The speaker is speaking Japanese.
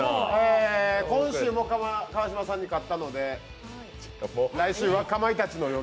今週も、川島さんに勝ったので来週は「かまいたちの夜」